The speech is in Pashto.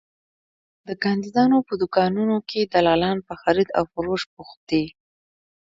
د کاندیدانو په دوکانونو کې دلالان په خرید او فروش بوخت دي.